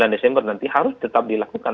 sembilan desember nanti harus tetap dilakukan